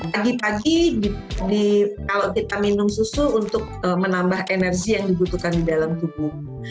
pagi pagi kalau kita minum susu untuk menambah energi yang dibutuhkan di dalam tubuh